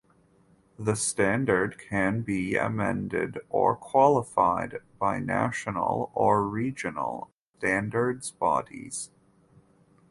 The standard can be amended or qualified by national or regional standards bodies.